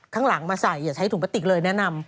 ข้างหลังมาใส่อย่าใช้ถุงกระติกเลยแนะนำ